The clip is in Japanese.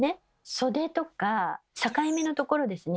袖とか境目のところですね